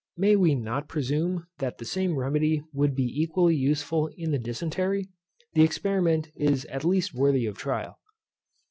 May we not presume that the same remedy would be equally useful in the DYSENTERY? The experiment is at least worthy of trial.